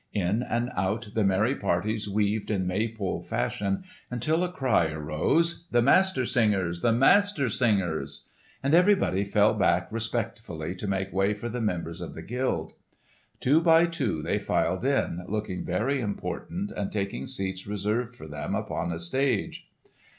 In and out the merry parties weaved in May pole fashion until a cry arose, "The Master Singers! the Master Singers!" and everybody fell back respectfully to make way for the members of the guild. Two by two they filed in, looking very important and taking seats reserved for them upon a stage.